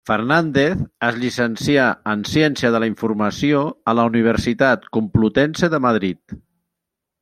Fernández es llicencià en Ciència de la Informació a la Universitat Complutense de Madrid.